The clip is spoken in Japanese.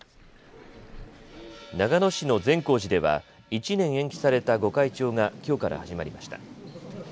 長野市の善光寺では１年延期された御開帳がきょうから始まりました。